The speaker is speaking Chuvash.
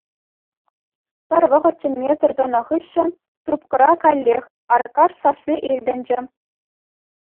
Пӗр вӑхӑт чӗнмесӗр тӑнӑ хыҫҫӑн трубкӑра каллех Аркаш сасси илтӗнчӗ.